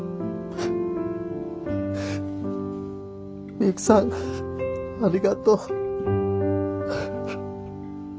ミユキさんありがとう。